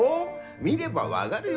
見れば分がるよ